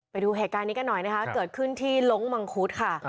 ไปดูแห่งการเนื้อกันหน่อยนะครับเกิดขึ้นที่หลงมังคุฑค่ะ